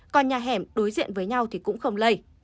còn nhà hẻm đối diện với nhau thì cũng không lây